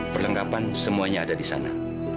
perlengkapan semuanya ada di sana